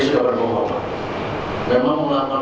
untuk pemal lantamal dua padang